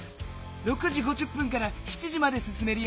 ６時５０分から７時まですすめるよ。